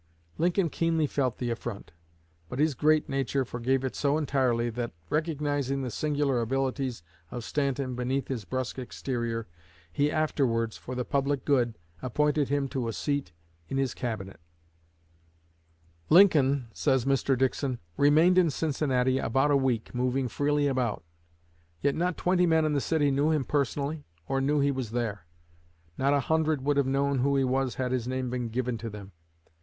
Lincoln keenly felt the affront, but his great nature forgave it so entirely that, recognizing the singular abilities of Stanton beneath his brusque exterior, he afterwards, for the public good, appointed him to a seat in his cabinet. Lincoln, says Mr. Dickson, "remained in Cincinnati about a week, moving freely about. Yet not twenty men in the city knew him personally, or knew he was here; not a hundred would have known who he was had his name been given to them.